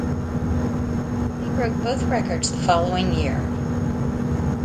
They broke both records the following year.